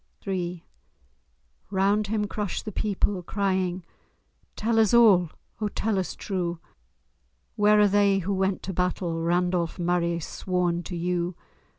III Round him crush the people, crying, "Tell us all—oh, tell us true! Where are they who went to battle, Randolph Murray, sworn to you?